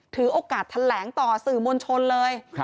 ถือโอกาสแถลงต่อสื่อมวลชนเลย